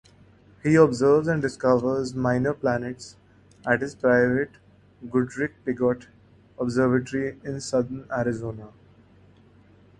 He observes and discovers minor planets at his private Goodricke-Pigott Observatory in southern Arizona.